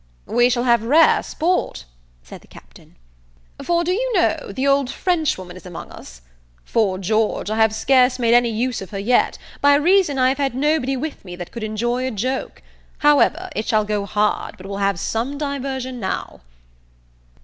"We shall have rare sport," said the Captain; "for, do you know, the old French woman is among us? 'Fore George, I have scarce made any use of her yet, by reason I have had nobody with me that could enjoy a joke: howsomever, it shall go hard but we'll have some diversion now."